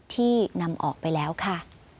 ที่นำออกไปแล้วค่ะ